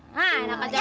nah enak aja lu